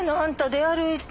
出歩いて。